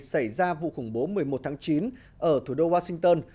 xảy ra vụ khủng bố một mươi một tháng chín ở thủ đô washington